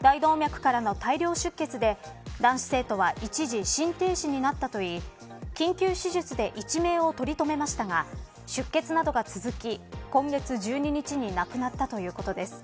大動脈からの大量出血で男子生徒は一時心停止になったといい緊急手術で一命をとりとめましたが出血などが続き、今月１２日に亡くなったということです。